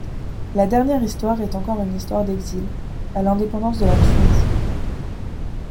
La dernière histoire est encore une histoire d’exil, à l’Indépendance de la Tunisie.